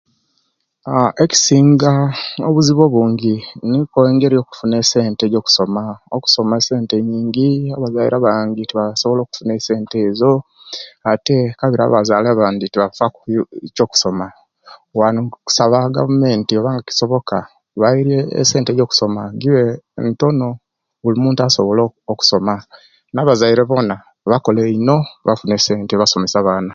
Aaa ekisinga obuzibu obungi nikwo engeri eyokufuna essente ejokusoma okusoma essente nyingi era abazaire abangi tibasobola okufuna esente ejo ate, abazaire abandi tibafa kubyokusoma, wanu nkusaba egavumenti obe nga kisoboka, bairye essente jokusoma jibe ntono, buli muntu asobole okusoma ne abazaire bona bakole ino bafune essente basomesye abaana.